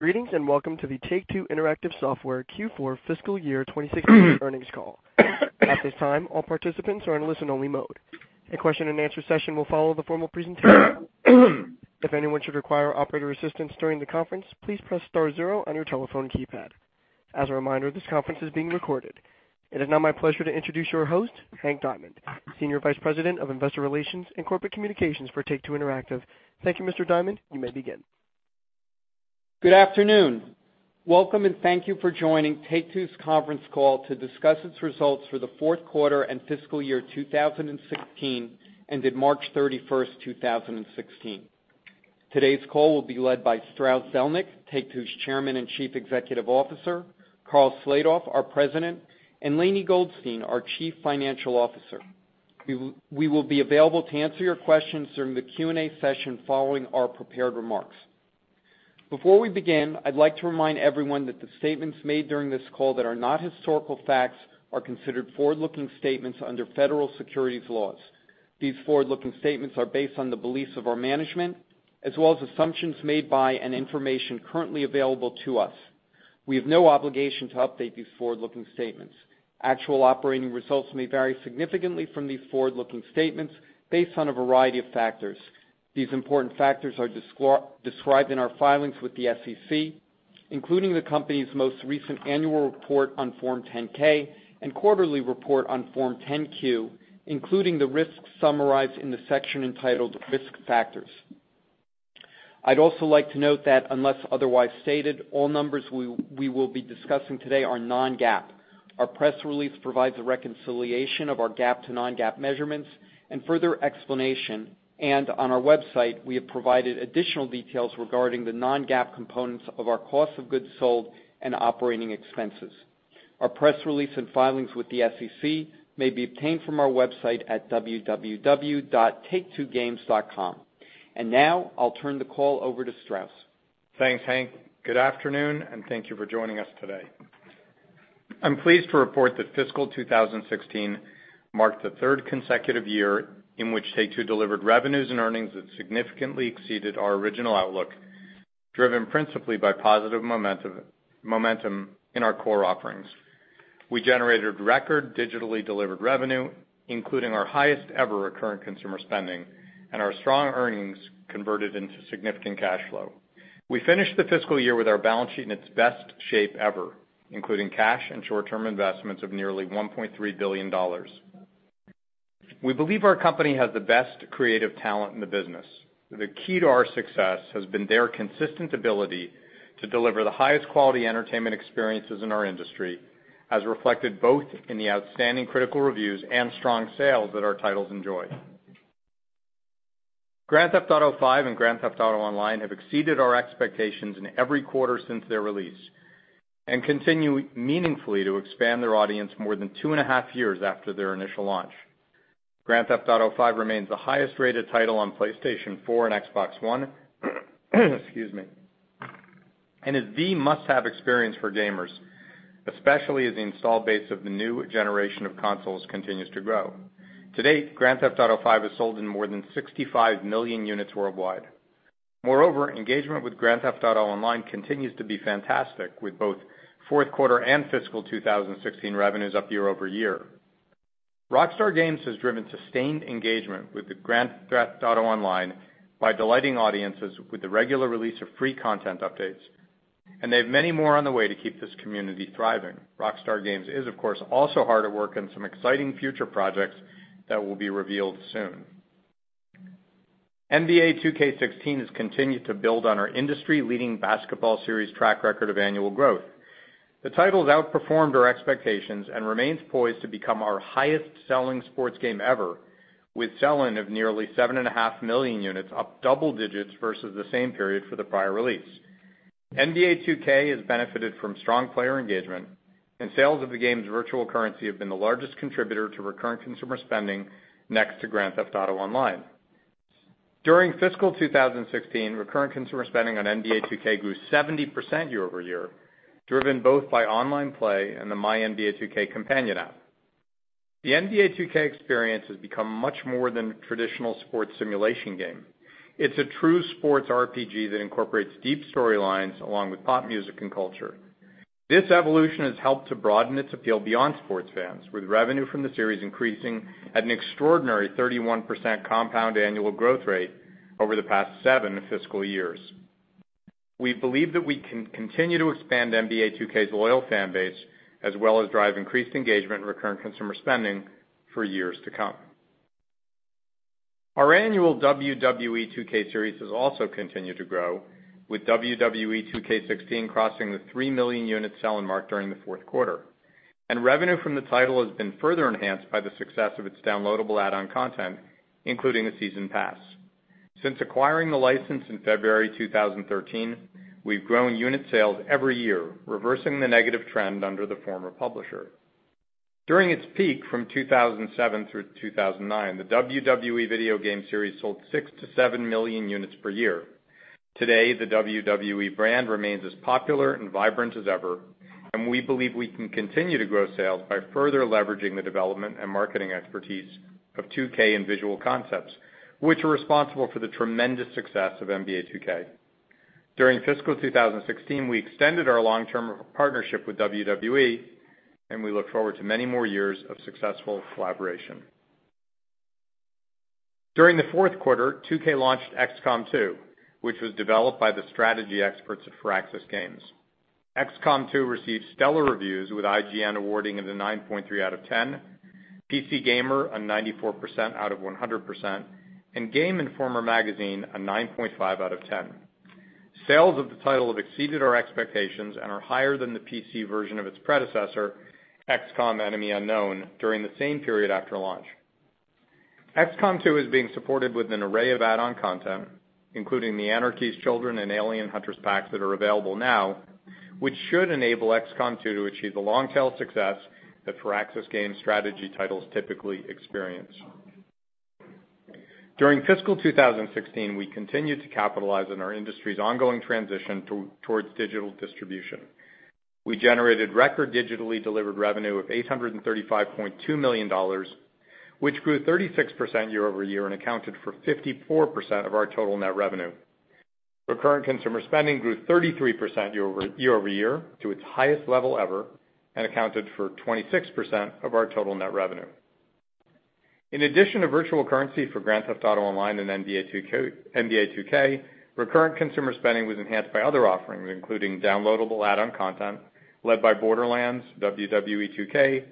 Greetings, welcome to the Take-Two Interactive Software Q4 fiscal year 2016 earnings call. At this time, all participants are in listen only mode. A question and answer session will follow the formal presentation. If anyone should require operator assistance during the conference, please press star 0 on your telephone keypad. As a reminder, this conference is being recorded. It is now my pleasure to introduce your host, Henry Diamond, Senior Vice President of Investor Relations and Corporate Communications for Take-Two Interactive. Thank you, Mr. Diamond. You may begin. Good afternoon. Welcome, thank you for joining Take-Two's conference call to discuss its results for the fourth quarter and fiscal year 2016, ended March 31st, 2016. Today's call will be led by Strauss Zelnick, Take-Two's Chairman and Chief Executive Officer, Karl Slatoff, our President, and Lainie Goldstein, our Chief Financial Officer. We will be available to answer your questions during the Q&A session following our prepared remarks. Before we begin, I'd like to remind everyone that the statements made during this call that are not historical facts are considered forward-looking statements under federal securities laws. These forward-looking statements are based on the beliefs of our management, as well as assumptions made by, and information currently available to us. We have no obligation to update these forward-looking statements. Actual operating results may vary significantly from these forward-looking statements based on a variety of factors. These important factors are described in our filings with the SEC, including the company's most recent annual report on Form 10-K and quarterly report on Form 10-Q, including the risks summarized in the section entitled Risk Factors. I'd also like to note that unless otherwise stated, all numbers we will be discussing today are non-GAAP. Our press release provides a reconciliation of our GAAP to non-GAAP measurements and further explanation, and on our website, we have provided additional details regarding the non-GAAP components of our cost of goods sold and operating expenses. Our press release and filings with the SEC may be obtained from our website at www.taketwogames.com. Now I'll turn the call over to Strauss. Thanks, Hank. Good afternoon, and thank you for joining us today. I'm pleased to report that fiscal 2016 marked the third consecutive year in which Take-Two delivered revenues and earnings that significantly exceeded our original outlook, driven principally by positive momentum in our core offerings. We generated record digitally delivered revenue, including our highest ever recurrent consumer spending, and our strong earnings converted into significant cash flow. We finished the fiscal year with our balance sheet in its best shape ever, including cash and short-term investments of nearly $1.3 billion. We believe our company has the best creative talent in the business. The key to our success has been their consistent ability to deliver the highest quality entertainment experiences in our industry, as reflected both in the outstanding critical reviews and strong sales that our titles enjoy. Grand Theft Auto V and Grand Theft Auto Online have exceeded our expectations in every quarter since their release and continue meaningfully to expand their audience more than two and a half years after their initial launch. Grand Theft Auto V remains the highest-rated title on PlayStation 4 and Xbox One and is the must-have experience for gamers, especially as the install base of the new generation of consoles continues to grow. To date, Grand Theft Auto V has sold in more than 65 million units worldwide. Moreover, engagement with Grand Theft Auto Online continues to be fantastic, with both fourth quarter and fiscal 2016 revenues up year-over-year. Rockstar Games has driven sustained engagement with the Grand Theft Auto Online by delighting audiences with the regular release of free content updates, and they have many more on the way to keep this community thriving. Rockstar Games is, of course, also hard at work on some exciting future projects that will be revealed soon. NBA 2K16 has continued to build on our industry-leading basketball series track record of annual growth. The title has outperformed our expectations and remains poised to become our highest-selling sports game ever, with sell-in of nearly seven and a half million units up double digits versus the same period for the prior release. NBA 2K has benefited from strong player engagement, and sales of the game's virtual currency have been the largest contributor to recurrent consumer spending next to Grand Theft Auto Online. During fiscal 2016, recurrent consumer spending on NBA 2K grew 70% year-over-year, driven both by online play and the MyNBA2K companion app. The NBA 2K experience has become much more than a traditional sports simulation game. It's a true sports RPG that incorporates deep storylines along with pop music and culture. This evolution has helped to broaden its appeal beyond sports fans, with revenue from the series increasing at an extraordinary 31% compound annual growth rate over the past seven fiscal years. We believe that we can continue to expand NBA 2K's loyal fan base as well as drive increased engagement and recurrent consumer spending for years to come. Our annual WWE 2K series has also continued to grow, with WWE 2K16 crossing the three million unit sell-in mark during the fourth quarter, and revenue from the title has been further enhanced by the success of its downloadable add-on content, including a season pass. Since acquiring the license in February 2013, we've grown unit sales every year, reversing the negative trend under the former publisher. During its peak from 2007 through 2009, the WWE video game series sold six to seven million units per year. Today, the WWE brand remains as popular and vibrant as ever, and we believe we can continue to grow sales by further leveraging the development and marketing expertise of 2K and Visual Concepts, which are responsible for the tremendous success of NBA 2K. During fiscal 2016, we extended our long-term partnership with WWE, and we look forward to many more years of successful collaboration. During the fourth quarter, 2K launched "XCOM 2," which was developed by the strategy experts at Firaxis Games. "XCOM 2" received stellar reviews, with IGN awarding it a 9.3 out of 10, PC Gamer a 94% out of 100%, and Game Informer Magazine a 9.5 out of 10. Sales of the title have exceeded our expectations and are higher than the PC version of its predecessor, "XCOM: Enemy Unknown," during the same period after launch. "XCOM 2" is being supported with an array of add-on content, including the Anarchy's Children and Alien Hunters packs that are available now, which should enable "XCOM 2" to achieve the long-tail success that Firaxis Games strategy titles typically experience. During fiscal 2016, we continued to capitalize on our industry's ongoing transition towards digital distribution. We generated record digitally delivered revenue of $835.2 million, which grew 36% year-over-year and accounted for 54% of our total net revenue. Recurrent consumer spending grew 33% year-over-year to its highest level ever and accounted for 26% of our total net revenue. In addition to virtual currency for "Grand Theft Auto Online" and "NBA 2K," recurrent consumer spending was enhanced by other offerings, including downloadable add-on content led by "Borderlands," "WWE 2K,"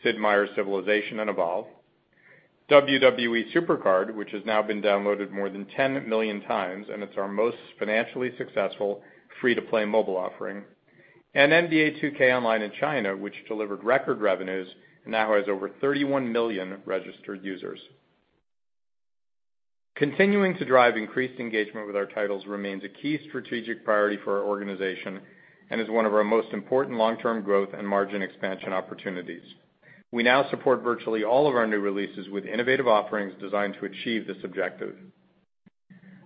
"Sid Meier's Civilization," and "Evolve." "WWE SuperCard," which has now been downloaded more than 10 million times and it's our most financially successful free-to-play mobile offering, and "NBA 2K Online" in China, which delivered record revenues and now has over 31 million registered users. Continuing to drive increased engagement with our titles remains a key strategic priority for our organization and is one of our most important long-term growth and margin expansion opportunities. We now support virtually all of our new releases with innovative offerings designed to achieve this objective.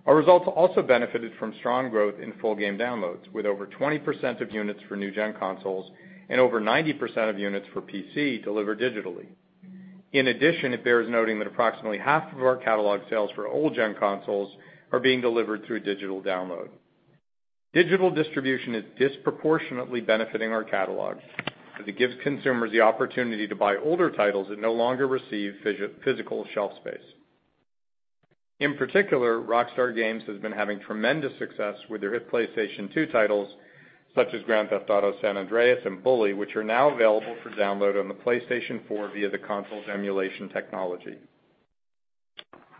Our results also benefited from strong growth in full game downloads, with over 20% of units for new-gen consoles and over 90% of units for PC delivered digitally. In addition, it bears noting that approximately half of our catalog sales for old-gen consoles are being delivered through digital download. Digital distribution is disproportionately benefiting our catalog, as it gives consumers the opportunity to buy older titles that no longer receive physical shelf space. In particular, Rockstar Games has been having tremendous success with their hit PlayStation 2 titles, such as "Grand Theft Auto: San Andreas" and "Bully," which are now available for download on the PlayStation 4 via the console's emulation technology.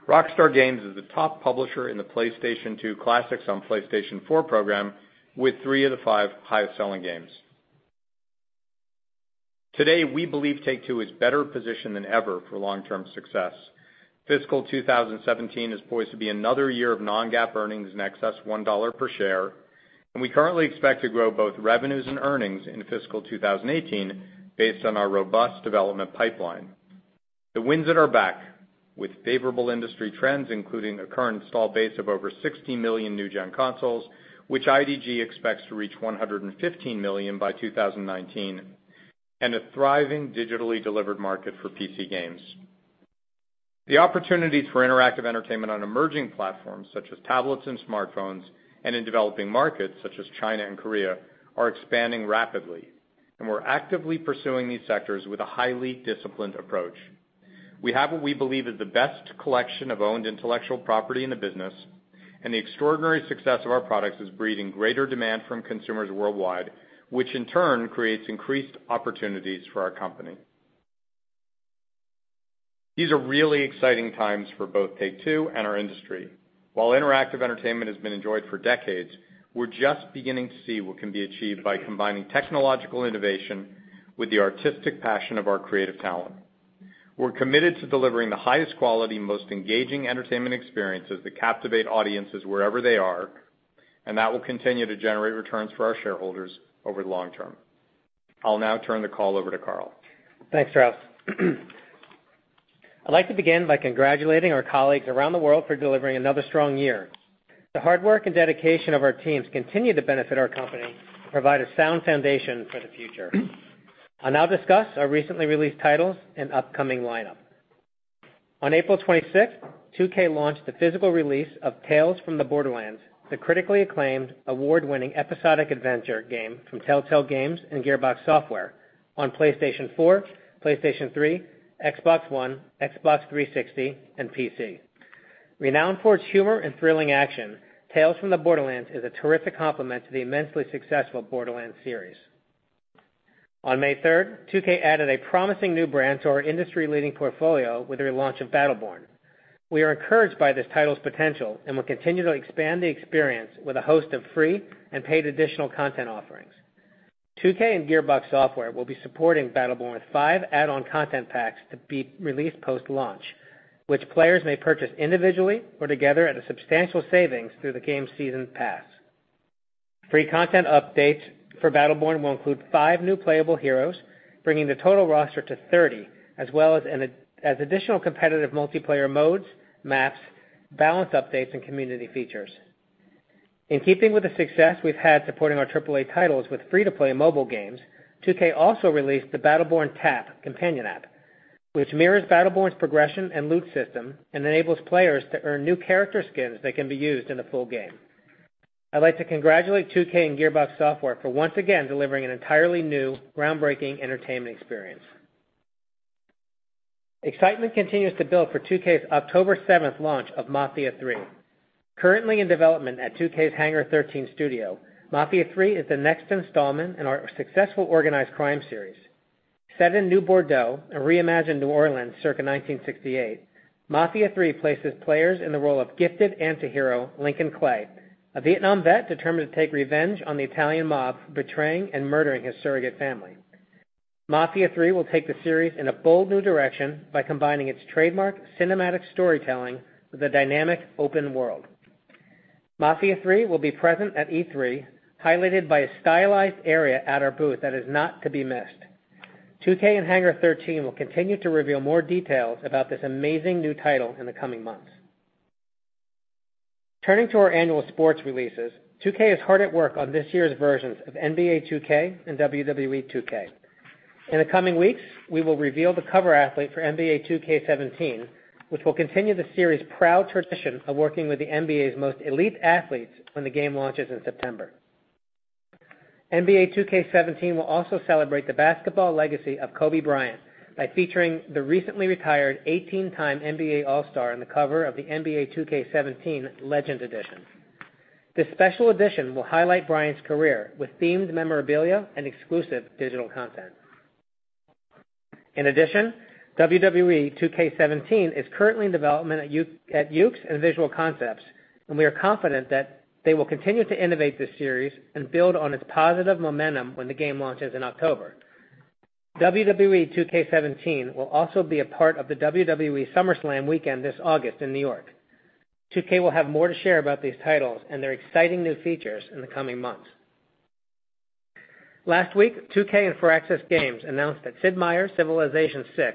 Rockstar Games is the top publisher in the PlayStation 2 Classics on PlayStation 4 program, with three of the five highest-selling games. Today, we believe Take-Two is better positioned than ever for long-term success. Fiscal 2017 is poised to be another year of non-GAAP earnings in excess of $1 per share, and we currently expect to grow both revenues and earnings in fiscal 2018 based on our robust development pipeline. The winds at our back, with favorable industry trends, including a current install base of over 60 million new-gen consoles, which IDC expects to reach 115 million by 2019, and a thriving digitally delivered market for PC games. The opportunities for interactive entertainment on emerging platforms, such as tablets and smartphones, and in developing markets, such as China and Korea, are expanding rapidly, and we're actively pursuing these sectors with a highly disciplined approach. We have what we believe is the best collection of owned intellectual property in the business, and the extraordinary success of our products is breeding greater demand from consumers worldwide, which in turn creates increased opportunities for our company. These are really exciting times for both Take-Two and our industry. While interactive entertainment has been enjoyed for decades, we're just beginning to see what can be achieved by combining technological innovation with the artistic passion of our creative talent. We're committed to delivering the highest quality, most engaging entertainment experiences that captivate audiences wherever they are, and that will continue to generate returns for our shareholders over the long term. I'll now turn the call over to Karl. Thanks, Strauss. I'd like to begin by congratulating our colleagues around the world for delivering another strong year. The hard work and dedication of our teams continue to benefit our company and provide a sound foundation for the future. I'll now discuss our recently released titles and upcoming lineup. On April 26th, 2K launched the physical release of "Tales from the Borderlands," the critically acclaimed, award-winning episodic adventure game from Telltale Games and Gearbox Software on PlayStation 4, PlayStation 3, Xbox One, Xbox 360, and PC. Renowned for its humor and thrilling action, "Tales from the Borderlands" is a terrific complement to the immensely successful Borderlands series. On May 3rd, 2K added a promising new brand to our industry-leading portfolio with the relaunch of "Battleborn." We are encouraged by this title's potential and will continue to expand the experience with a host of free and paid additional content offerings. 2K and Gearbox Software will be supporting "Battleborn" with five add-on content packs to be released post-launch, which players may purchase individually or together at a substantial savings through the game's season pass. Free content updates for "Battleborn" will include five new playable heroes, bringing the total roster to 30, as well as additional competitive multiplayer modes, maps, balance updates, and community features. In keeping with the success we've had supporting our AAA titles with free-to-play mobile games, 2K also released the "Battleborn Tap" companion app, which mirrors Battleborn's progression and loot system and enables players to earn new character skins that can be used in the full game. I'd like to congratulate 2K and Gearbox Software for once again delivering an entirely new, groundbreaking entertainment experience. Excitement continues to build for 2K's October 7th launch of "Mafia III." Currently in development at 2K's Hangar 13 studio, "Mafia III" is the next installment in our successful organized crime series. Set in New Bordeaux, a reimagined New Orleans circa 1968, "Mafia III" places players in the role of gifted anti-hero Lincoln Clay, a Vietnam vet determined to take revenge on the Italian mob for betraying and murdering his surrogate family. "Mafia III" will take the series in a bold new direction by combining its trademark cinematic storytelling with a dynamic open world. "Mafia III" will be present at E3, highlighted by a stylized area at our booth that is not to be missed. 2K and Hangar 13 will continue to reveal more details about this amazing new title in the coming months. Turning to our annual sports releases, 2K is hard at work on this year's versions of "NBA 2K" and "WWE 2K." In the coming weeks, we will reveal the cover athlete for "NBA 2K17," which will continue the series' proud tradition of working with the NBA's most elite athletes when the game launches in September. "NBA 2K17" will also celebrate the basketball legacy of Kobe Bryant by featuring the recently retired 18-time NBA All-Star on the cover of the "NBA 2K17" Legend Edition. This special edition will highlight Bryant's career with themed memorabilia and exclusive digital content. In addition, "WWE 2K17" is currently in development at Yuke's and Visual Concepts, and we are confident that they will continue to innovate this series and build on its positive momentum when the game launches in October. WWE 2K17" will also be a part of the WWE SummerSlam weekend this August in New York. 2K will have more to share about these titles and their exciting new features in the coming months. Last week, 2K and Firaxis Games announced that "Sid Meier's Civilization VI,"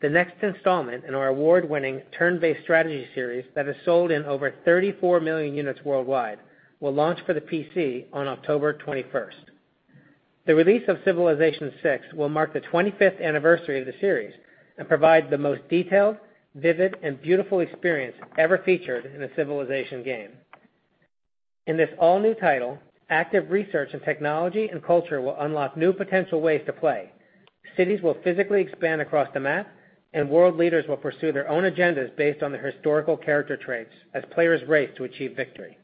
the next installment in our award-winning turn-based strategy series that has sold in over 34 million units worldwide, will launch for the PC on October 21st. The release of "Civilization VI" will mark the 25th anniversary of the series and provide the most detailed, vivid, and beautiful experience ever featured in a Civilization game. In this all-new title, active research in technology and culture will unlock new potential ways to play, cities will physically expand across the map, and world leaders will pursue their own agendas based on their historical character traits as players race to achieve victory.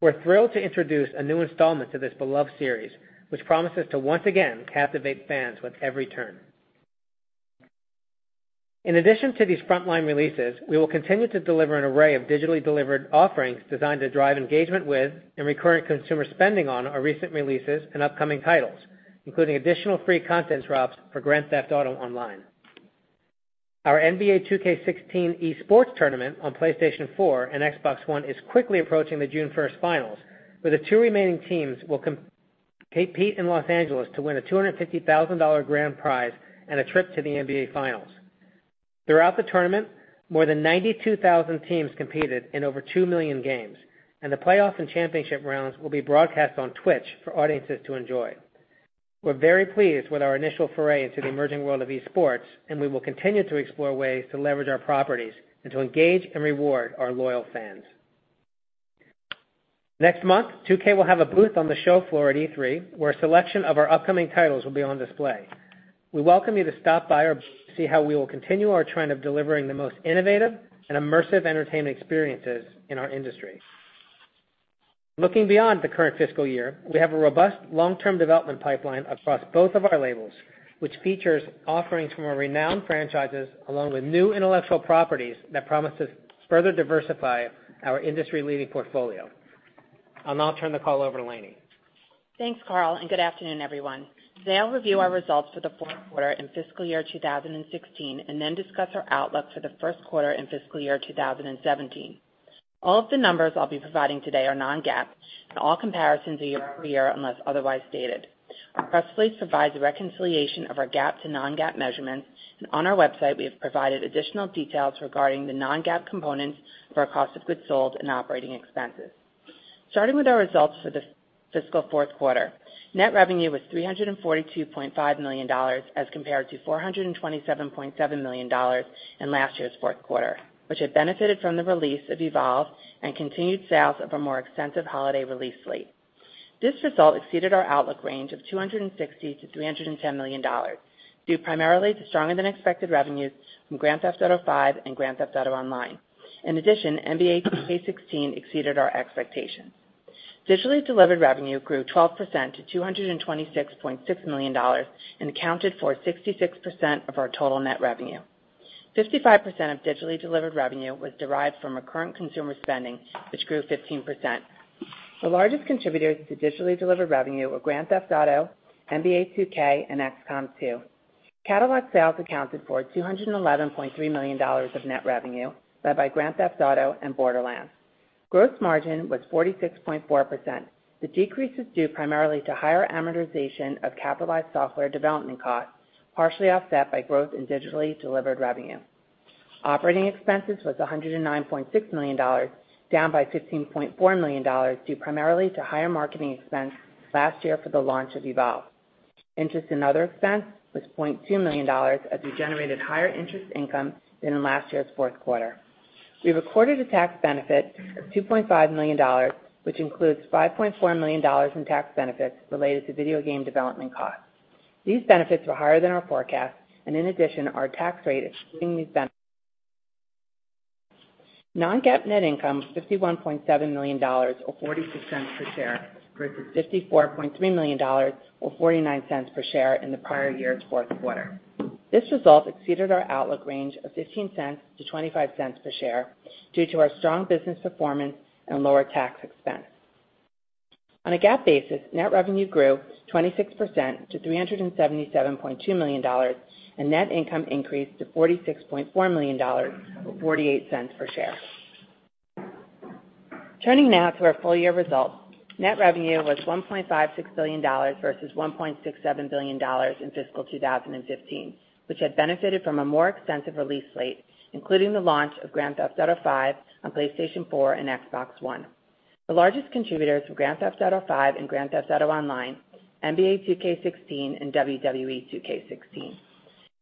We're thrilled to introduce a new installment to this beloved series, which promises to once again captivate fans with every turn. In addition to these frontline releases, we will continue to deliver an array of digitally delivered offerings designed to drive engagement with and recurrent consumer spending on our recent releases and upcoming titles, including additional free content drops for "Grand Theft Auto Online." Our "NBA 2K16" esports tournament on PlayStation 4 and Xbox One is quickly approaching the June 1st finals, where the two remaining teams will compete in Los Angeles to win a $250,000 grand prize and a trip to the NBA Finals. Throughout the tournament, more than 92,000 teams competed in over 2 million games, and the playoffs and championship rounds will be broadcast on Twitch for audiences to enjoy. We're very pleased with our initial foray into the emerging world of esports. We will continue to explore ways to leverage our properties and to engage and reward our loyal fans. Next month, 2K will have a booth on the show floor at E3 where a selection of our upcoming titles will be on display. We welcome you to stop by our booth to see how we will continue our trend of delivering the most innovative and immersive entertainment experiences in our industry. Looking beyond the current fiscal year, we have a robust long-term development pipeline across both of our labels, which features offerings from our renowned franchises, along with new intellectual properties that promise to further diversify our industry-leading portfolio. I'll now turn the call over to Lainie. Thanks, Karl, and good afternoon, everyone. Today, I'll review our results for the fourth quarter and fiscal year 2016 and then discuss our outlook for the first quarter and fiscal year 2017. All of the numbers I'll be providing today are non-GAAP, and all comparisons are year-over-year unless otherwise stated. We respectfully provide the reconciliation of our GAAP to non-GAAP measurements, and on our website, we have provided additional details regarding the non-GAAP components for our cost of goods sold and operating expenses. Starting with our results for the fiscal fourth quarter, net revenue was $342.5 million as compared to $427.7 million in last year's fourth quarter, which had benefited from the release of Evolve and continued sales of a more extensive holiday release slate. This result exceeded our outlook range of $260 million-$310 million due primarily to stronger than expected revenues from Grand Theft Auto V and Grand Theft Auto Online. In addition, NBA 2K16 exceeded our expectations. Digitally delivered revenue grew 12% to $226.6 million and accounted for 66% of our total net revenue. 55% of digitally delivered revenue was derived from recurrent consumer spending, which grew 15%. The largest contributors to digitally delivered revenue were Grand Theft Auto, NBA 2K, and XCOM 2. Catalog sales accounted for $211.3 million of net revenue, led by Grand Theft Auto and Borderlands. Gross margin was 46.4%. The decrease is due primarily to higher amortization of capitalized software development costs, partially offset by growth in digitally delivered revenue. Operating expenses was $109.6 million, down by $15.4 million, due primarily to higher marketing expense last year for the launch of Evolve. Interest and other expense was $0.2 million as we generated higher interest income than in last year's fourth quarter. We recorded a tax benefit of $2.5 million, which includes $5.4 million in tax benefits related to video game development costs. These benefits were higher than our forecast. Non-GAAP net income was $51.7 million, or $0.46 per share, versus $54.3 million or $0.49 per share in the prior year's fourth quarter. This result exceeded our outlook range of $0.15-$0.25 per share due to our strong business performance and lower tax expense. On a GAAP basis, net revenue grew 26% to $377.2 million, and net income increased to $46.4 million, or $0.48 per share. Turning now to our full-year results. Net revenue was $1.56 billion versus $1.67 billion in fiscal 2015, which had benefited from a more extensive release slate, including the launch of Grand Theft Auto V on PlayStation 4 and Xbox One. The largest contributors were Grand Theft Auto V and Grand Theft Auto Online, NBA 2K16, and WWE 2K16.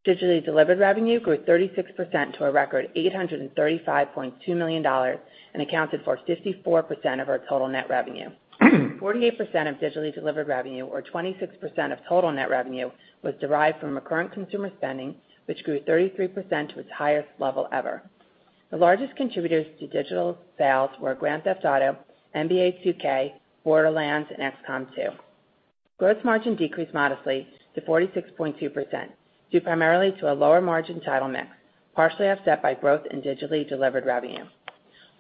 Digitally delivered revenue grew 36% to a record $835.2 million and accounted for 54% of our total net revenue. 48% of digitally delivered revenue or 26% of total net revenue was derived from recurrent consumer spending, which grew 33% to its highest level ever. The largest contributors to digital sales were Grand Theft Auto, NBA 2K, Borderlands, and XCOM 2. Gross margin decreased modestly to 46.2%, due primarily to a lower margin title mix, partially offset by growth in digitally delivered revenue.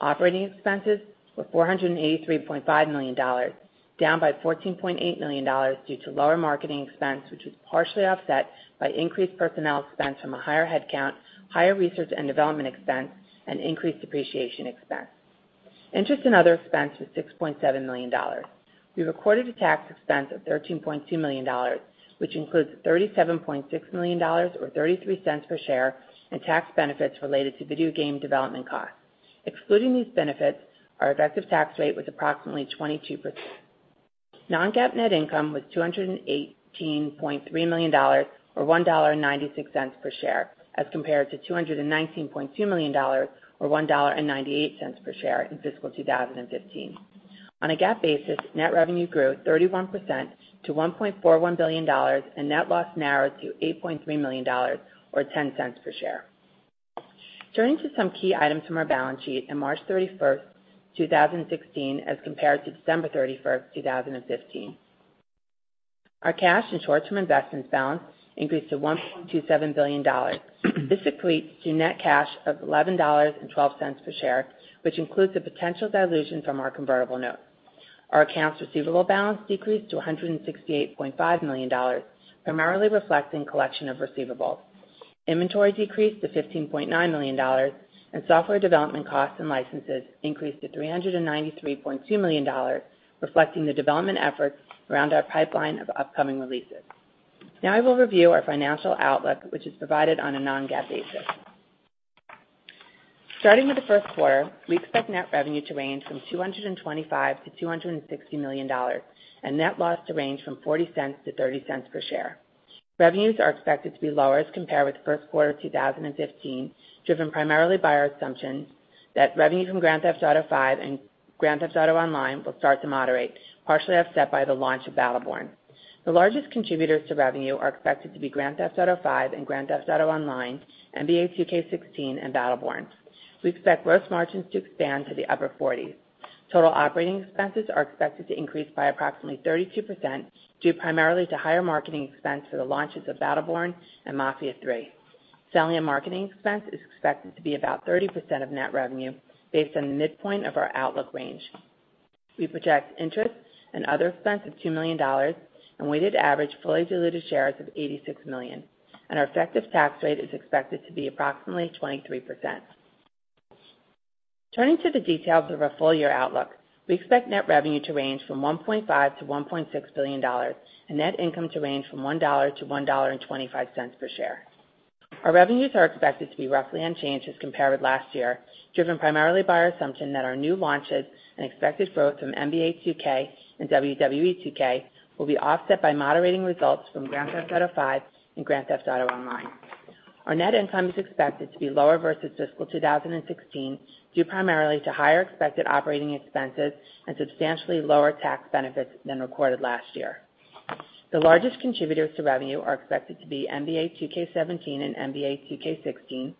Operating expenses were $483.5 million, down by $14.8 million due to lower marketing expense, which was partially offset by increased personnel expense from a higher headcount, higher research and development expense, and increased depreciation expense. Interest and other expense was $6.7 million. We recorded a tax expense of $13.2 million, which includes $37.6 million or $0.33 per share in tax benefits related to video game development costs. Excluding these benefits, our effective tax rate was approximately 22%. Non-GAAP net income was $218.3 million or $1.96 per share as compared to $219.2 million or $1.98 per share in fiscal 2015. On a GAAP basis, net revenue grew 31% to $1.41 billion and net loss narrowed to $8.3 million or $0.10 per share. Turning to some key items from our balance sheet in March 31st, 2016, as compared to December 31st, 2015. Our cash and short-term investments balance increased to $1.27 billion. This equates to net cash of $11.12 per share, which includes the potential dilution from our convertible note. Our accounts receivable balance decreased to $168.5 million, primarily reflecting collection of receivables. Inventory decreased to $15.9 million and software development costs and licenses increased to $393.2 million, reflecting the development efforts around our pipeline of upcoming releases. Now I will review our financial outlook, which is provided on a non-GAAP basis. Starting with the first quarter, we expect net revenue to range from $225 million-$260 million and net loss to range from $0.40-$0.30 per share. Revenues are expected to be lower as compared with first quarter 2015, driven primarily by our assumption that revenue from Grand Theft Auto V and Grand Theft Auto Online will start to moderate, partially offset by the launch of Battleborn. The largest contributors to revenue are expected to be Grand Theft Auto V and Grand Theft Auto Online, NBA 2K16, and Battleborn. We expect gross margins to expand to the upper 40s. Total operating expenses are expected to increase by approximately 32%, due primarily to higher marketing expense for the launches of Battleborn and Mafia III. Selling and marketing expense is expected to be about 30% of net revenue based on the midpoint of our outlook range. We project interest and other expense of $2 million and weighted average fully diluted shares of 86 million, and our effective tax rate is expected to be approximately 23%. Turning to the details of our full-year outlook, we expect net revenue to range from $1.5 billion-$1.6 billion and net income to range from $1-$1.25 per share. Our revenues are expected to be roughly unchanged as compared with last year, driven primarily by our assumption that our new launches and expected growth from NBA 2K and WWE 2K will be offset by moderating results from Grand Theft Auto V and Grand Theft Auto Online. Our net income is expected to be lower versus fiscal 2016, due primarily to higher expected operating expenses and substantially lower tax benefits than recorded last year. The largest contributors to revenue are expected to be NBA 2K17 and NBA 2K16,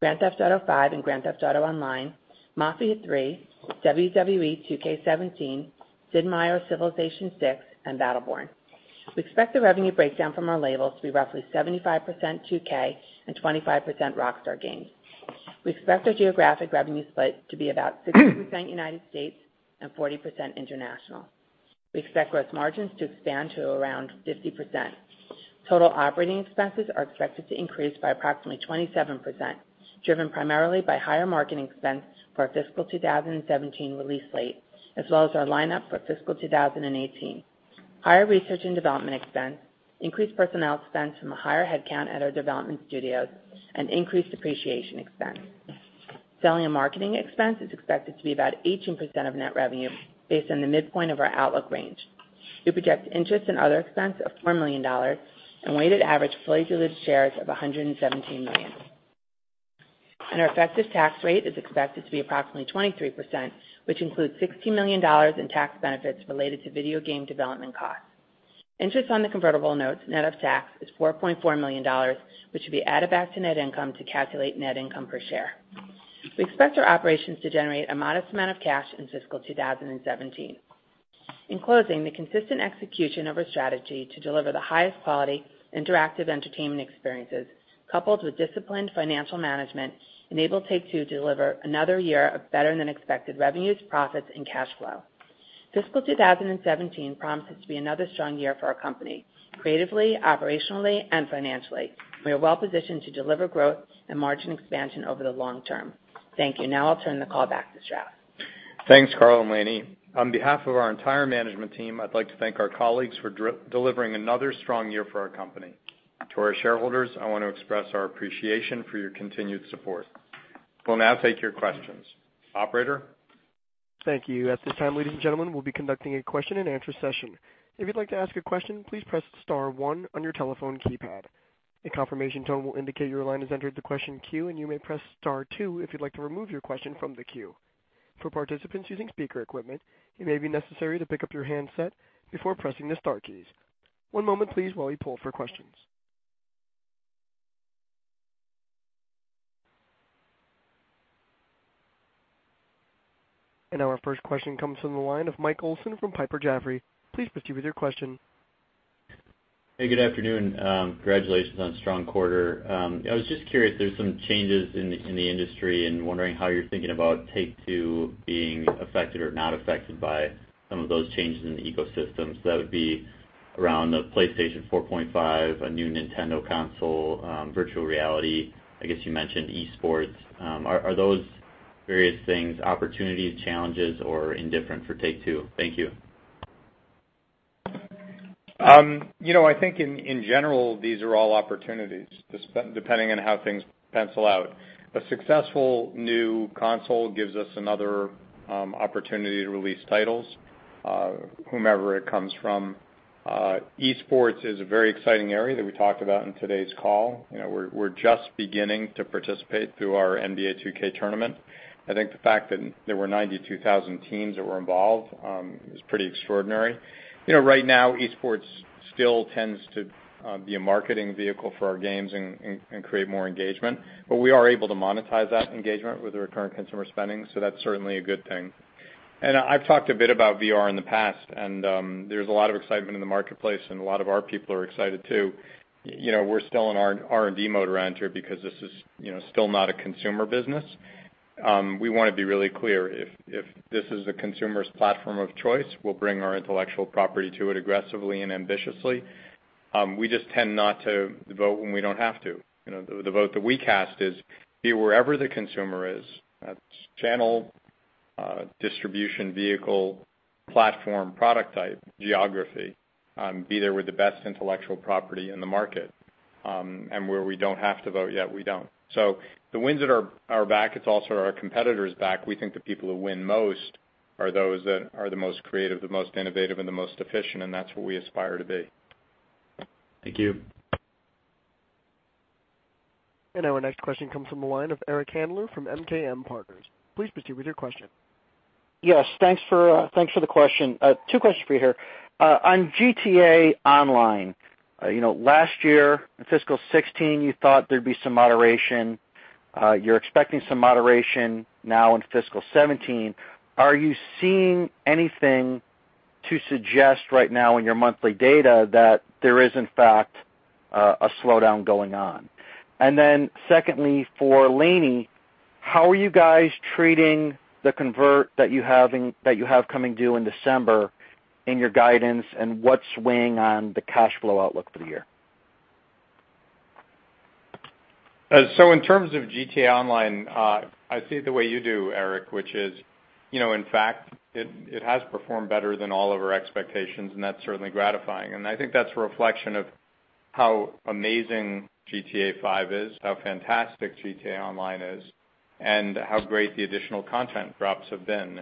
Grand Theft Auto V and Grand Theft Auto Online, Mafia III, WWE 2K17, Sid Meier's Civilization VI, and Battleborn. We expect the revenue breakdown from our labels to be roughly 75% 2K and 25% Rockstar Games. We expect our geographic revenue split to be about 60% U.S. and 40% international. We expect gross margins to expand to around 50%. Total operating expenses are expected to increase by approximately 27%, driven primarily by higher marketing expense for our fiscal 2017 release slate as well as our lineup for fiscal 2018. Higher research and development expense, increased personnel expense from a higher headcount at our development studios, and increased depreciation expense. Selling and marketing expense is expected to be about 18% of net revenue based on the midpoint of our outlook range. We project interest and other expense of $4 million and weighted average fully diluted shares of 117 million. Our effective tax rate is expected to be approximately 23%, which includes $16 million in tax benefits related to video game development costs. Interest on the convertible notes, net of tax, is $4.4 million, which will be added back to net income to calculate net income per share. We expect our operations to generate a modest amount of cash in fiscal 2017. In closing, the consistent execution of our strategy to deliver the highest quality interactive entertainment experiences, coupled with disciplined financial management, enabled Take-Two to deliver another year of better than expected revenues, profits, and cash flow. Fiscal 2017 promises to be another strong year for our company, creatively, operationally, and financially. We are well-positioned to deliver growth and margin expansion over the long term. Thank you. I'll turn the call back to Strauss. Thanks, Karl and Lainie. On behalf of our entire management team, I'd like to thank our colleagues for delivering another strong year for our company. To our shareholders, I want to express our appreciation for your continued support. We'll now take your questions. Operator? Thank you. At this time, ladies and gentlemen, we'll be conducting a question and answer session. If you'd like to ask a question, please press star one on your telephone keypad. A confirmation tone will indicate your line has entered the question queue, and you may press star two if you'd like to remove your question from the queue. For participants using speaker equipment, it may be necessary to pick up your handset before pressing the star keys. One moment please while we poll for questions. Now our first question comes from the line of Michael Olson from Piper Jaffray. Please proceed with your question. Hey, good afternoon. Congratulations on a strong quarter. I was just curious, there's some changes in the industry and wondering how you're thinking about Take-Two being affected or not affected by some of those changes in the ecosystems. That would be around the PlayStation 4.5, a new Nintendo console, virtual reality. I guess you mentioned esports. Are those various things opportunities, challenges, or indifferent for Take-Two? Thank you. I think in general, these are all opportunities, depending on how things pencil out. A successful new console gives us another opportunity to release titles, whomever it comes from. Esports is a very exciting area that we talked about in today's call. We're just beginning to participate through our NBA 2K tournament. I think the fact that there were 92,000 teams that were involved is pretty extraordinary. Right now, esports still tends to be a marketing vehicle for our games and create more engagement. We are able to monetize that engagement with the recurrent consumer spending, so that's certainly a good thing. I've talked a bit about VR in the past, and there's a lot of excitement in the marketplace, and a lot of our people are excited, too. We're still in our R&D mode around here because this is still not a consumer business. We want to be really clear. If this is the consumer's platform of choice, we'll bring our intellectual property to it aggressively and ambitiously. We just tend not to vote when we don't have to. The vote that we cast is be wherever the consumer is. That's channel, distribution vehicle, platform, product type, geography. Be there with the best intellectual property in the market. Where we don't have to vote yet, we don't. The wins that are back, it's also our competitors' back. We think the people who win most are those that are the most creative, the most innovative, and the most efficient, and that's what we aspire to be. Thank you. Our next question comes from the line of Eric Handler from MKM Partners. Please proceed with your question. Yes. Thanks for the question. Two questions for you here. On Grand Theft Auto Online, last year in fiscal 2016, you thought there'd be some moderation. You're expecting some moderation now in fiscal 2017. Are you seeing anything to suggest right now in your monthly data that there is, in fact, a slowdown going on? Then secondly, for Lainie, how are you guys treating the convert that you have coming due in December in your guidance, and what's weighing on the cash flow outlook for the year? In terms of Grand Theft Auto Online, I see it the way you do, Eric, which is, in fact, it has performed better than all of our expectations, and that's certainly gratifying. I think that's a reflection of how amazing Grand Theft Auto V is, how fantastic Grand Theft Auto Online is, and how great the additional content drops have been.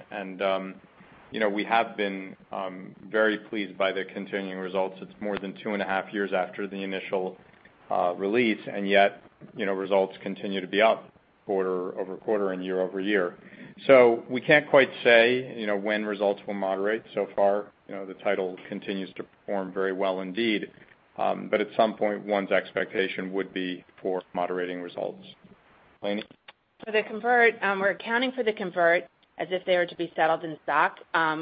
We have been very pleased by the continuing results. It's more than two and a half years after the initial release, and yet results continue to be up quarter-over-quarter and year-over-year. We can't quite say when results will moderate. So far the title continues to perform very well indeed. At some point, one's expectation would be for moderating results. Lainie? For the convert, we're accounting for the convert as if they are to be settled in stock,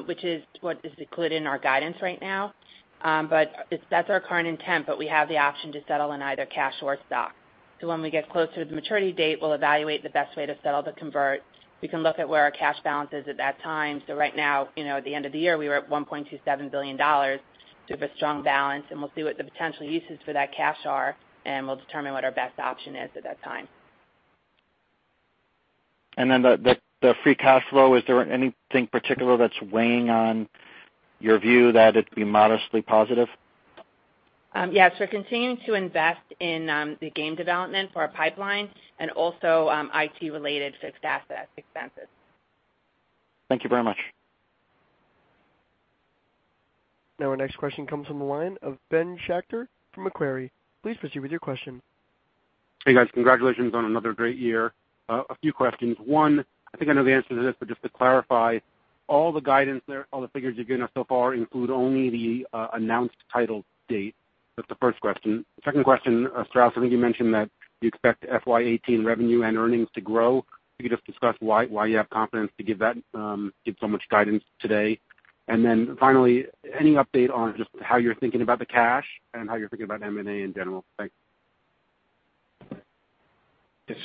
which is what is included in our guidance right now. That's our current intent, but we have the option to settle in either cash or stock. When we get closer to the maturity date, we'll evaluate the best way to settle the convert. We can look at where our cash balance is at that time. Right now, at the end of the year, we were at $1.27 billion. We have a strong balance, and we'll see what the potential uses for that cash are, and we'll determine what our best option is at that time. The free cash flow, is there anything particular that's weighing on your view that it'd be modestly positive? Yes. We're continuing to invest in the game development for our pipeline and also IT-related fixed asset expenses. Thank you very much. Our next question comes from the line of Ben Schachter from Macquarie. Please proceed with your question. Hey, guys. Congratulations on another great year. A few questions. One, I think I know the answer to this, but just to clarify, all the guidance there, all the figures you've given us so far include only the announced title date. That's the first question. Second question, Strauss, I think you mentioned that you expect FY 2018 revenue and earnings to grow. If you could just discuss why you have confidence to give so much guidance today. Finally, any update on just how you're thinking about the cash and how you're thinking about M&A in general? Thanks.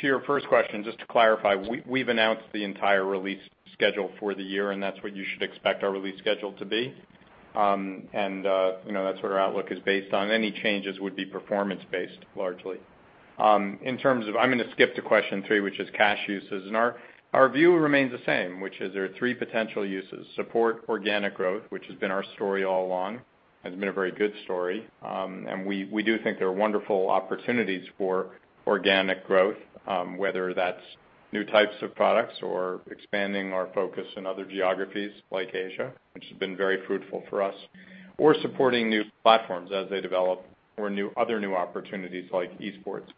To your first question, just to clarify, we've announced the entire release schedule for the year, and that's what you should expect our release schedule to be. That's what our outlook is based on. Any changes would be performance-based, largely. I'm going to skip to question three, which is cash uses, and our view remains the same, which is there are three potential uses. Support organic growth, which has been our story all along, has been a very good story. We do think there are wonderful opportunities for organic growth, whether that's new types of products or expanding our focus in other geographies like Asia, which has been very fruitful for us, or supporting new platforms as they develop or other new opportunities like e-sports.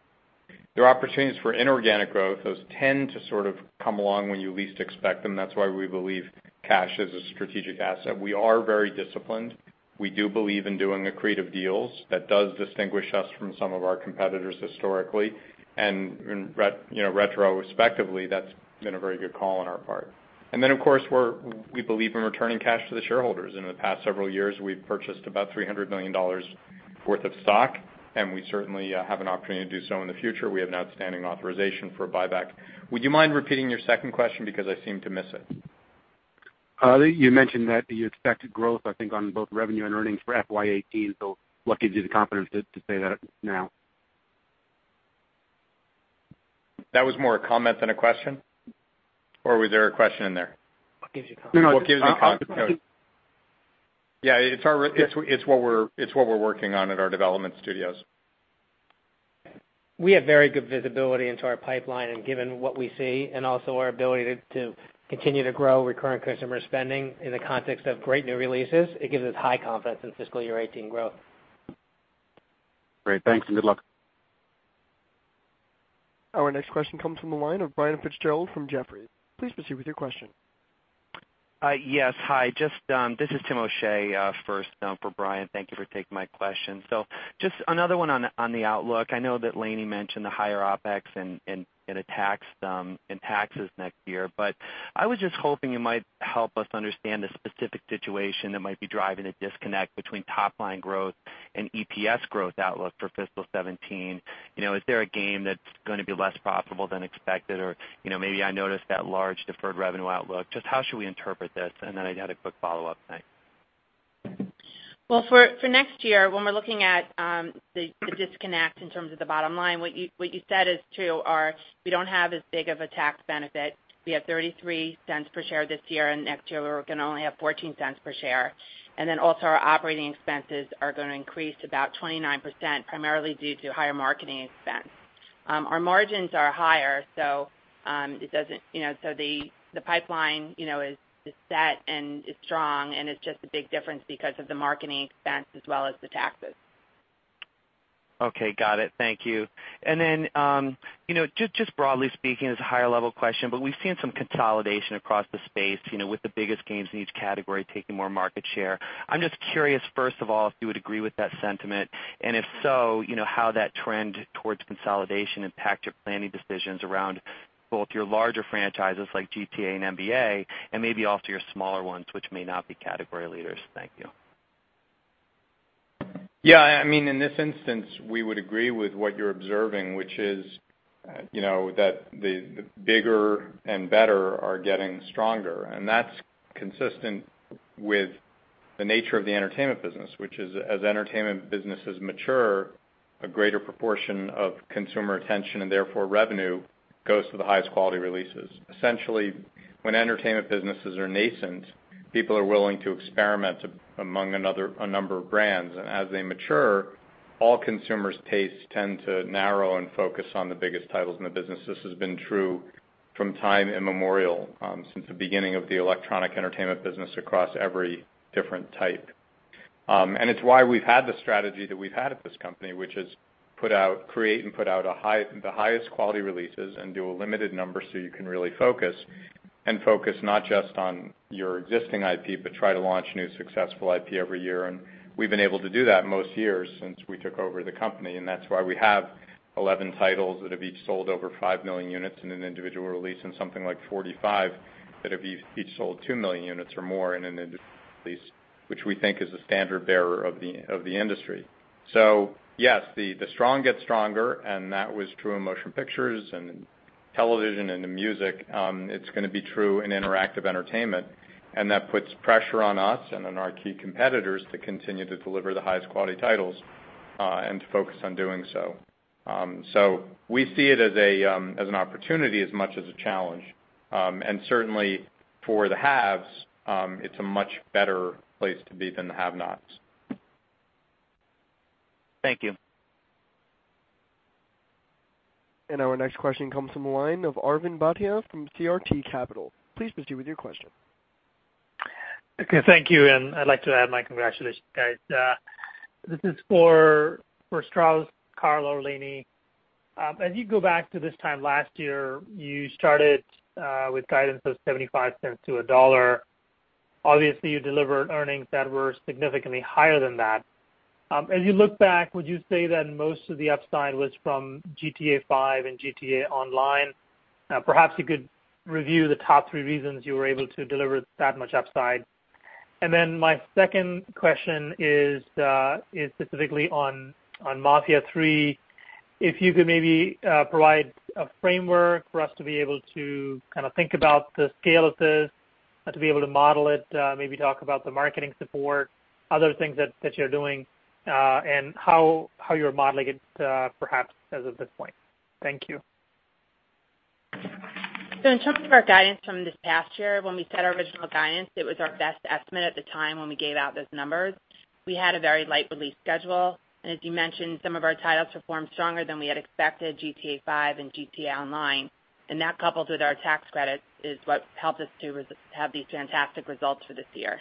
There are opportunities for inorganic growth. Those tend to sort of come along when you least expect them. That's why we believe cash is a strategic asset. We are very disciplined. We do believe in doing accretive deals. That does distinguish us from some of our competitors historically. Retrospectively, that's been a very good call on our part. Of course, we believe in returning cash to the shareholders. In the past several years, we've purchased about $300 million worth of stock, and we certainly have an opportunity to do so in the future. We have an outstanding authorization for buyback. Would you mind repeating your second question because I seemed to miss it? You mentioned that you expect growth, I think, on both revenue and earnings for FY 2018. What gives you the confidence to say that now? That was more a comment than a question, or was there a question in there? What gives you confidence? No, what gives you confidence. What gives me confidence? Yeah, it's what we're working on at our development studios. We have very good visibility into our pipeline, and given what we see and also our ability to continue to grow recurrent consumer spending in the context of great new releases, it gives us high confidence in fiscal year 2018 growth. Great. Thanks, and good luck. Our next question comes from the line of Brian Fitzgerald from Jefferies. Please proceed with your question. Yes. Hi. This is Timothy O'Shea first for Brian. Thank you for taking my question. Just another one on the outlook. I know that Lainie mentioned the higher OpEx and taxes next year, but I was just hoping you might help us understand the specific situation that might be driving a disconnect between top-line growth and EPS growth outlook for fiscal 2017. Is there a game that's going to be less profitable than expected? Maybe I noticed that large deferred revenue outlook. Just how should we interpret this? Then I had a quick follow-up. Thanks. Well, for next year, when we're looking at the disconnect in terms of the bottom line, what you said is true, we don't have as big of a tax benefit. We have $0.33 per share this year. Next year we're going to only have $0.14 per share. Also our operating expenses are going to increase about 29%, primarily due to higher marketing expense. Our margins are higher. The pipeline is set and is strong. It's just a big difference because of the marketing expense as well as the taxes. Okay, got it. Thank you. Just broadly speaking as a higher-level question, we've seen some consolidation across the space with the biggest games in each category taking more market share. I'm just curious, first of all, if you would agree with that sentiment, and if so, how that trend towards consolidation impact your planning decisions around both your larger franchises like GTA and NBA and maybe also your smaller ones, which may not be category leaders. Thank you. Yeah. In this instance, we would agree with what you're observing, which is that the bigger and better are getting stronger, and that's consistent with the nature of the entertainment business, which is as entertainment businesses mature, a greater proportion of consumer attention, and therefore revenue, goes to the highest quality releases. Essentially, when entertainment businesses are nascent, people are willing to experiment among a number of brands. As they mature, all consumers' tastes tend to narrow and focus on the biggest titles in the business. This has been true from time immemorial, since the beginning of the electronic entertainment business across every different type. It's why we've had the strategy that we've had at this company, which is create and put out the highest quality releases and do a limited number so you can really focus, and focus not just on your existing IP, but try to launch new successful IP every year. We've been able to do that most years since we took over the company, and that's why we have 11 titles that have each sold over 5 million units in an individual release and something like 45 that have each sold 2 million units or more in an individual release, which we think is the standard bearer of the industry. Yes, the strong get stronger, and that was true in motion pictures and television and in music. It's going to be true in interactive entertainment, that puts pressure on us and on our key competitors to continue to deliver the highest quality titles. To focus on doing so. We see it as an opportunity as much as a challenge. Certainly for the haves, it's a much better place to be than the have-nots. Thank you. Our next question comes from the line of Arvind Bhatia from CRT Capital. Please proceed with your question. Okay, thank you. I'd like to add my congratulations, guys. This is for Strauss Zelnick. As you go back to this time last year, you started with guidance of $0.75 to $1. Obviously, you delivered earnings that were significantly higher than that. As you look back, would you say that most of the upside was from GTA V and GTA Online? Perhaps you could review the top three reasons you were able to deliver that much upside. My second question is specifically on Mafia III. If you could maybe provide a framework for us to be able to think about the scale of this, to be able to model it, maybe talk about the marketing support, other things that you're doing, and how you're modeling it perhaps as of this point. Thank you. In terms of our guidance from this past year, when we set our original guidance, it was our best estimate at the time when we gave out those numbers. We had a very light release schedule. As you mentioned, some of our titles performed stronger than we had expected, GTA V and GTA Online. That, coupled with our tax credits, is what helped us to have these fantastic results for this year.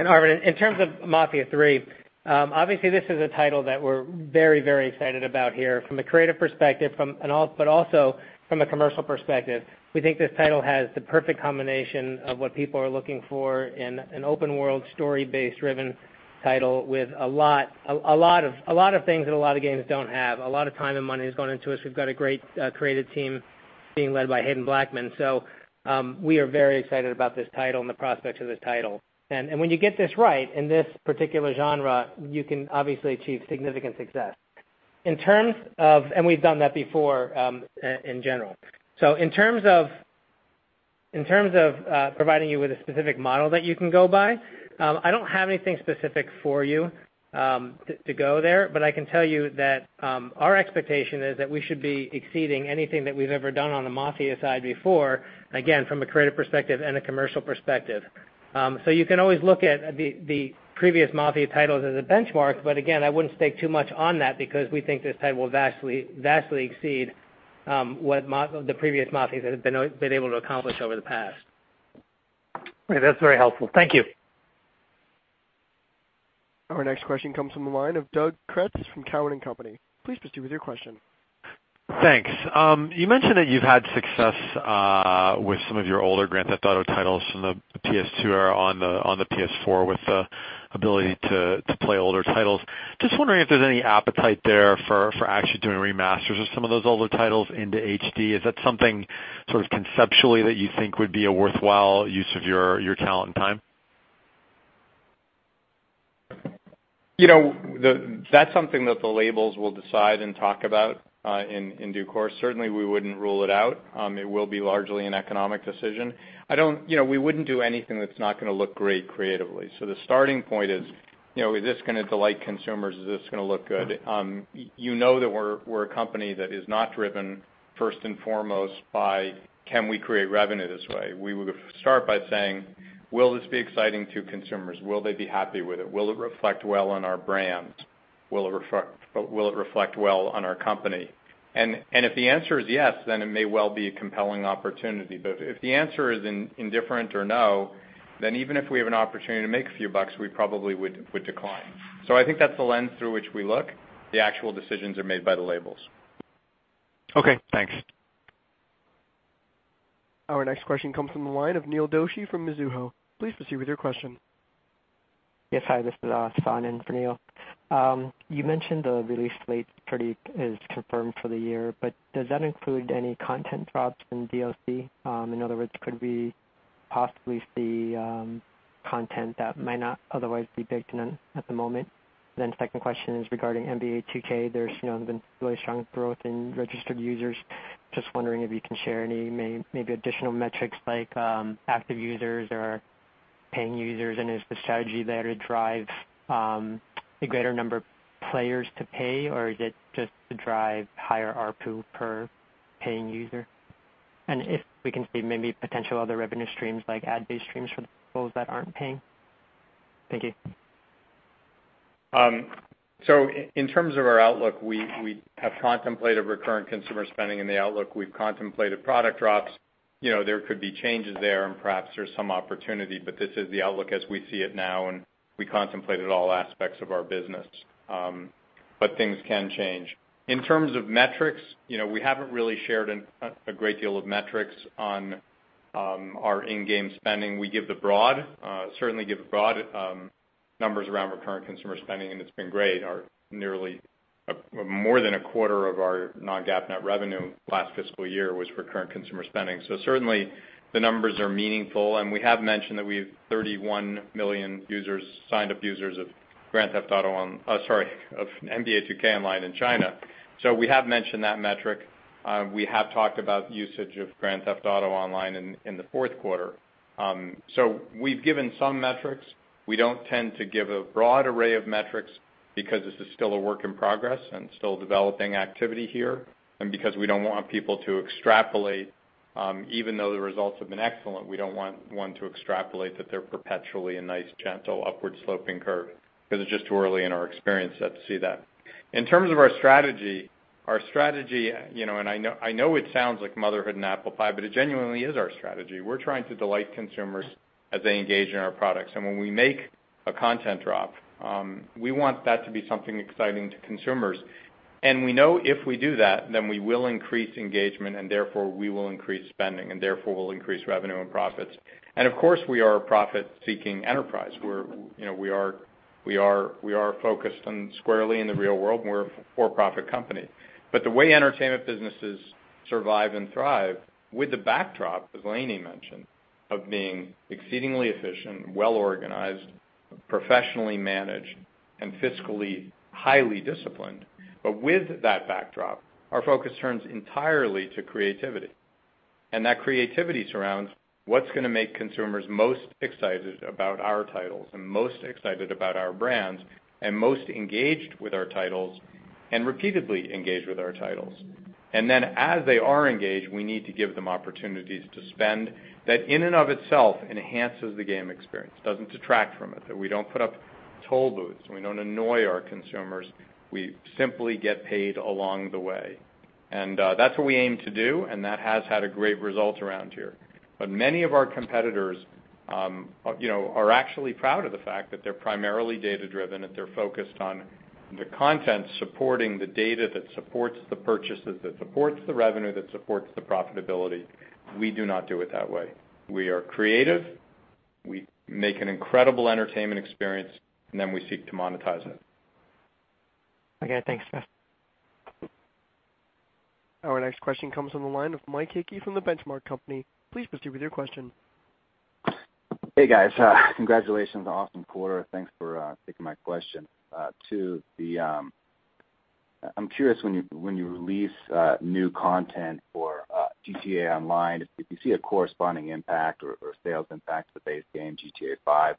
Arvind, in terms of Mafia III, obviously, this is a title that we're very excited about here from a creative perspective, but also from a commercial perspective. We think this title has the perfect combination of what people are looking for in an open world, story-based driven title with a lot of things that a lot of games don't have. A lot of time and money has gone into this. We've got a great creative team being led by Haden Blackman. We are very excited about this title and the prospects of this title. When you get this right in this particular genre, you can obviously achieve significant success. We've done that before in general. In terms of providing you with a specific model that you can go by, I don't have anything specific for you to go there. I can tell you that our expectation is that we should be exceeding anything that we've ever done on the Mafia side before, again, from a creative perspective and a commercial perspective. You can always look at the previous Mafia titles as a benchmark, but again, I wouldn't stake too much on that because we think this title will vastly exceed what the previous Mafias have been able to accomplish over the past. Great. That's very helpful. Thank you. Our next question comes from the line of Doug Creutz from Cowen and Company. Please proceed with your question. Thanks. You mentioned that you've had success with some of your older Grand Theft Auto titles from the PS2 era on the PS4 with the ability to play older titles. Just wondering if there's any appetite there for actually doing remasters of some of those older titles into HD. Is that something conceptually that you think would be a worthwhile use of your talent and time? That's something that the labels will decide and talk about in due course. Certainly, we wouldn't rule it out. It will be largely an economic decision. We wouldn't do anything that's not going to look great creatively. The starting point is this going to delight consumers? Is this going to look good? You know that we're a company that is not driven first and foremost by can we create revenue this way? We would start by saying, will this be exciting to consumers? Will they be happy with it? Will it reflect well on our brands? Will it reflect well on our company? If the answer is yes, then it may well be a compelling opportunity. If the answer is indifferent or no, then even if we have an opportunity to make a few bucks, we probably would decline. I think that's the lens through which we look. The actual decisions are made by the labels. Okay, thanks. Our next question comes from the line of Neil Doshi from Mizuho. Please proceed with your question. Yes. Hi, this is San Phan for Neil. You mentioned the release slate is confirmed for the year, does that include any content drops in DLC? In other words, could we possibly see content that might not otherwise be baked in at the moment? Second question is regarding NBA 2K. There's been really strong growth in registered users. Just wondering if you can share any maybe additional metrics like active users or paying users, is the strategy there to drive a greater number of players to pay, or is it just to drive higher ARPU per paying user? If we can see maybe potential other revenue streams like ad-based streams for the people that aren't paying. Thank you. In terms of our outlook, we have contemplated recurrent consumer spending in the outlook. We've contemplated product drops. There could be changes there, perhaps there's some opportunity, this is the outlook as we see it now, we contemplated all aspects of our business. Things can change. In terms of metrics, we haven't really shared a great deal of metrics on our in-game spending. We certainly give broad numbers around recurrent consumer spending, it's been great. More than a quarter of our non-GAAP net revenue last fiscal year was recurrent consumer spending. Certainly, the numbers are meaningful, we have mentioned that we have 31 million signed up users of NBA 2K Online in China. We have mentioned that metric. We have talked about usage of Grand Theft Auto Online in the fourth quarter. We've given some metrics. We don't tend to give a broad array of metrics because this is still a work in progress and still developing activity here, because we don't want people to extrapolate, even though the results have been excellent, we don't want one to extrapolate that they're perpetually a nice, gentle, upward sloping curve because it's just too early in our experience set to see that. In terms of our strategy, I know it sounds like motherhood and apple pie, it genuinely is our strategy. We're trying to delight consumers as they engage in our products. When we make a content drop, we want that to be something exciting to consumers. We know if we do that, then we will increase engagement, therefore, we will increase spending, therefore, we'll increase revenue and profits. Of course, we are a profit-seeking enterprise. We are focused squarely in the real world, we're a for-profit company. The way entertainment businesses survive and thrive with the backdrop, as Lainie mentioned, of being exceedingly efficient, well-organized, professionally managed, fiscally highly disciplined. With that backdrop, our focus turns entirely to creativity, that creativity surrounds what's going to make consumers most excited about our titles and most excited about our brands, most engaged with our titles and repeatedly engaged with our titles. As they are engaged, we need to give them opportunities to spend that in and of itself enhances the game experience. Doesn't detract from it, that we don't put up toll booths, we don't annoy our consumers. We simply get paid along the way. That's what we aim to do, that has had a great result around here. Many of our competitors are actually proud of the fact that they're primarily data-driven, that they're focused on the content supporting the data that supports the purchases, that supports the revenue, that supports the profitability. We do not do it that way. We are creative. We make an incredible entertainment experience, we seek to monetize it. Okay. Thanks, Strauss. Our next question comes from the line of Mike Hickey from the Benchmark Company. Please proceed with your question. Hey, guys. Congratulations on an awesome quarter. Thanks for taking my question. Two, I'm curious when you release new content for GTA Online, if you see a corresponding impact or sales impact to the base game GTA V,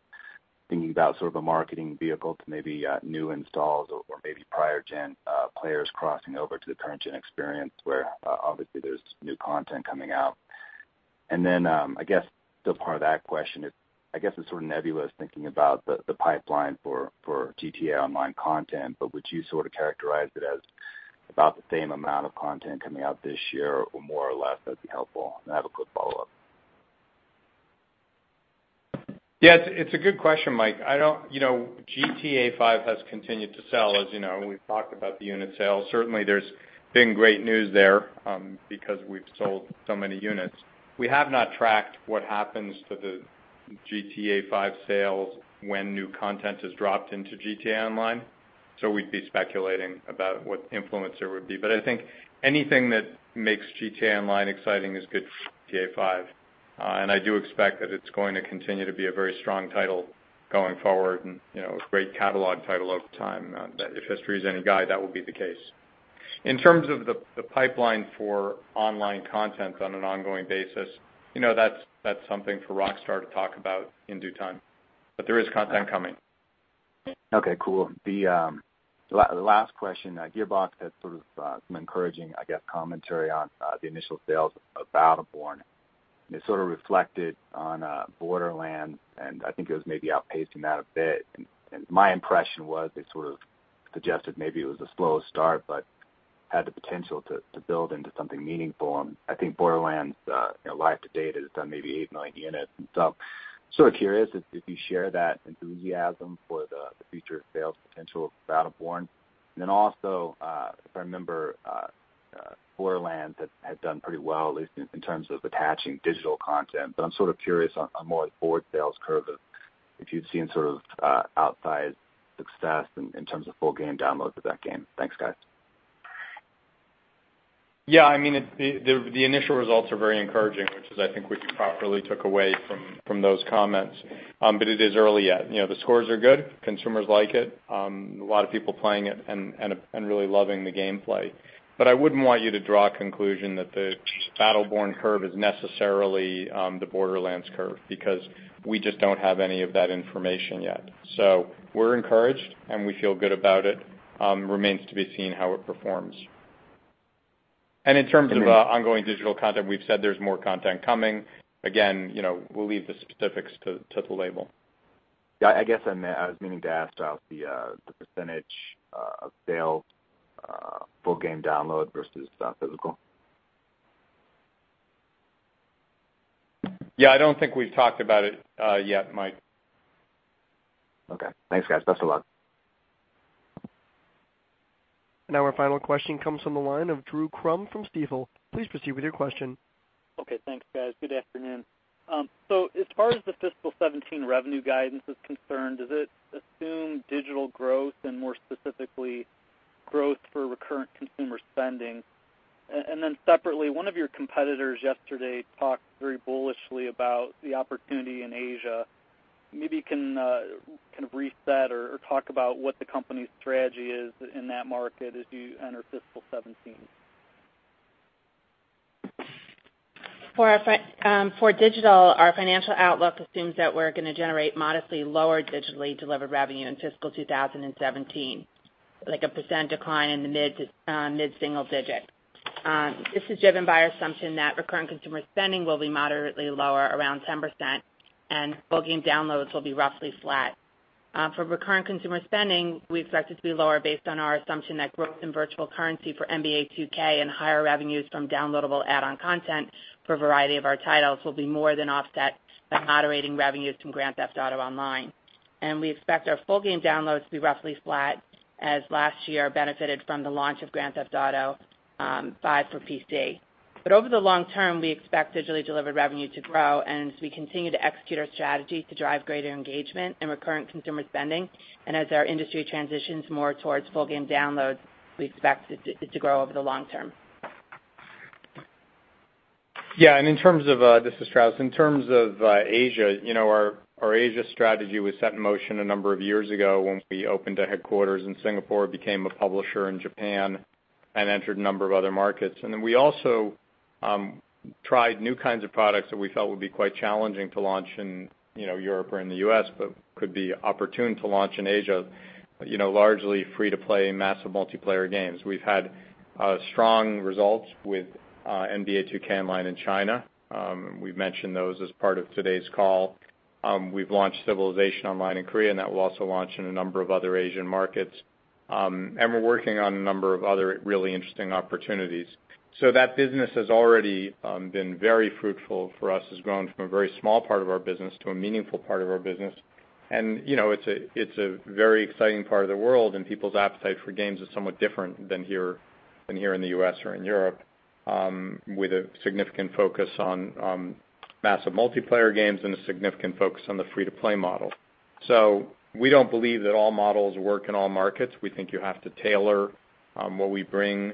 thinking about sort of a marketing vehicle to maybe new installs or maybe prior gen players crossing over to the current gen experience where obviously there's new content coming out. I guess still part of that question is, I guess it's sort of nebulous thinking about the pipeline for GTA Online content, but would you characterize it as about the same amount of content coming out this year or more or less? That'd be helpful, and I have a quick follow-up. Yeah, it's a good question, Mike. GTA V has continued to sell, as you know, and we've talked about the unit sales. Certainly, there's been great news there because we've sold so many units. We have not tracked what happens to the GTA V sales when new content is dropped into GTA Online. We'd be speculating about what influencer it would be. I think anything that makes GTA Online exciting is good for GTA V, and I do expect that it's going to continue to be a very strong title going forward and a great catalog title over time. If history is any guide, that will be the case. In terms of the pipeline for online content on an ongoing basis, that's something for Rockstar to talk about in due time. There is content coming. Okay, cool. The last question, Gearbox had some encouraging, I guess, commentary on the initial sales of Battleborn. It sort of reflected on Borderlands, I think it was maybe outpacing that a bit. My impression was they sort of suggested maybe it was a slow start, but had the potential to build into something meaningful. I think Borderlands, life-to-date, has done maybe 8 million units and stuff. Sort of curious if you share that enthusiasm for the future sales potential of Battleborn. Also, if I remember, Borderlands had done pretty well, at least in terms of attaching digital content. I'm sort of curious on more forward sales curve of if you've seen sort of outsized success in terms of full game downloads of that game. Thanks, guys. Yeah, the initial results are very encouraging, which is, I think what you properly took away from those comments. It is early yet. The scores are good. Consumers like it. A lot of people playing it and really loving the gameplay. I wouldn't want you to draw a conclusion that the Battleborn curve is necessarily the Borderlands curve because we just don't have any of that information yet. We're encouraged, and we feel good about it. Remains to be seen how it performs. In terms of ongoing digital content, we've said there's more content coming. Again, we'll leave the specifics to the label. Yeah, I guess I was meaning to ask about the % of sales full game download versus physical. Yeah, I don't think we've talked about it yet, Mike. Okay. Thanks, guys. Best of luck. Our final question comes from the line of Drew Crum from Stifel. Please proceed with your question. Okay. Thanks, guys. Good afternoon. As far as the fiscal 2017 revenue guidance is concerned, does it assume digital growth and more specifically growth for recurrent consumer spending? Separately, one of your competitors yesterday talked very bullishly about the opportunity in Asia. Maybe you can kind of reset or talk about what the company's strategy is in that market as you enter fiscal 2017. For digital, our financial outlook assumes that we're going to generate modestly lower digitally delivered revenue in fiscal 2017, like a % decline in the mid-single digit. This is driven by our assumption that recurrent consumer spending will be moderately lower, around 10%, and full game downloads will be roughly flat. For recurrent consumer spending, we expect it to be lower based on our assumption that growth in virtual currency for NBA 2K and higher revenues from downloadable add-on content for a variety of our titles will be more than offset by moderating revenues from Grand Theft Auto Online. We expect our full game downloads to be roughly flat, as last year benefited from the launch of Grand Theft Auto V for PC. Over the long term, we expect digitally delivered revenue to grow and as we continue to execute our strategy to drive greater engagement in recurrent consumer spending, and as our industry transitions more towards full game downloads, we expect it to grow over the long term. Yeah. This is Strauss. In terms of Asia, our Asia strategy was set in motion a number of years ago when we opened a headquarters in Singapore, became a publisher in Japan, and entered a number of other markets. Then we also tried new kinds of products that we felt would be quite challenging to launch in Europe or in the U.S., but could be opportune to launch in Asia, largely free to play massive multiplayer games. We've had strong results with NBA 2K Online in China. We've mentioned those as part of today's call. We've launched Civilization Online in Korea, and that will also launch in a number of other Asian markets. We're working on a number of other really interesting opportunities. That business has already been very fruitful for us. It's grown from a very small part of our business to a meaningful part of our business. It's a very exciting part of the world, and people's appetite for games is somewhat different than here in the U.S. or in Europe, with a significant focus on massive multiplayer games and a significant focus on the free-to-play model. We don't believe that all models work in all markets. We think you have to tailor what we bring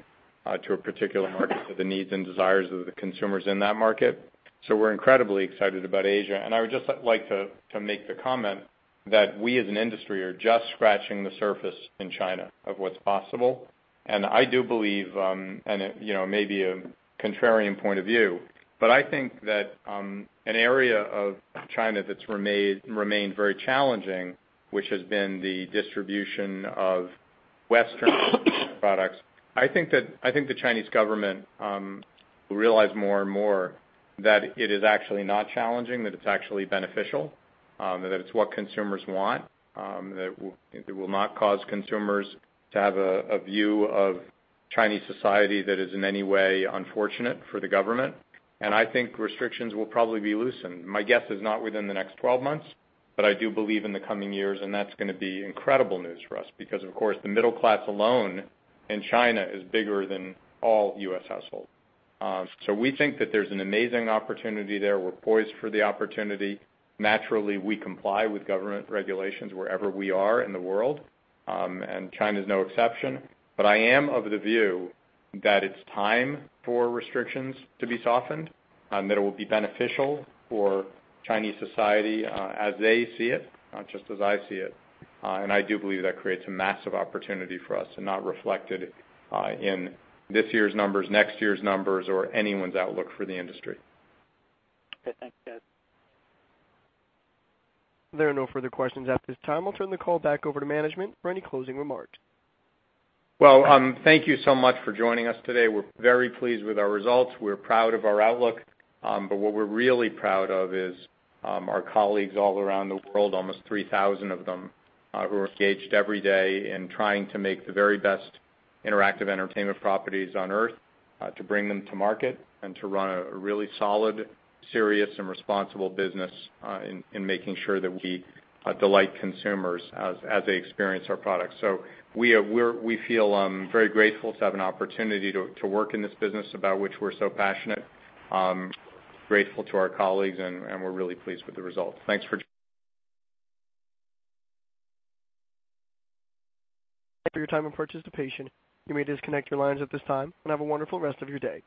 to a particular market to the needs and desires of the consumers in that market. We're incredibly excited about Asia. I would just like to make the comment that we, as an industry, are just scratching the surface in China of what's possible. I do believe, and it may be a contrarian point of view, but I think that an area of China that's remained very challenging, which has been the distribution of Western products. I think the Chinese government will realize more and more that it is actually not challenging, that it's actually beneficial, that it's what consumers want, that it will not cause consumers to have a view of Chinese society that is in any way unfortunate for the government. I think restrictions will probably be loosened. My guess is not within the next 12 months, but I do believe in the coming years, and that's going to be incredible news for us because, of course, the middle class alone in China is bigger than all U.S. households. We think that there's an amazing opportunity there. We're poised for the opportunity. Naturally, we comply with government regulations wherever we are in the world, and China's no exception. I am of the view that it's time for restrictions to be softened, that it will be beneficial for Chinese society as they see it, not just as I see it. I do believe that creates a massive opportunity for us, not reflected in this year's numbers, next year's numbers or anyone's outlook for the industry. Okay. Thanks, guys. There are no further questions at this time. I'll turn the call back over to management for any closing remarks. Thank you so much for joining us today. We're very pleased with our results. We're proud of our outlook. What we're really proud of is our colleagues all around the world, almost 3,000 of them, who are engaged every day in trying to make the very best interactive entertainment properties on Earth, to bring them to market, and to run a really solid, serious and responsible business in making sure that we delight consumers as they experience our products. We feel very grateful to have an opportunity to work in this business, about which we're so passionate, grateful to our colleagues, and we're really pleased with the results. Thank you for your time and participation. You may disconnect your lines at this time, and have a wonderful rest of your day.